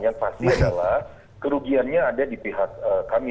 yang pasti adalah kerugiannya ada di pihak kami